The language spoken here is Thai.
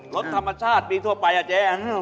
รถธรรมชาติปีทั่วไปอ่ะเจ๊